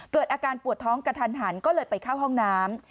เกิดอาการปวดท้องกระทันหันก็เลยไปเข้าห้องน้ำ